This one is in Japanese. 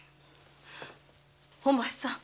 お前さん。